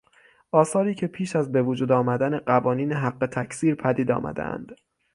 آثاری که پیش از بهوجود آمدن قوانین حق تکثیر پدید آمدهاند.